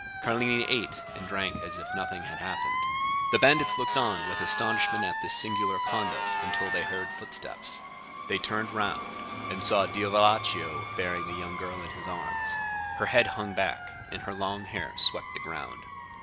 "Carlini ate and drank as if nothing had happened. The bandits looked on with astonishment at this singular conduct until they heard footsteps. They turned round, and saw Diavolaccio bearing the young girl in his arms. Her head hung back, and her long hair swept the ground.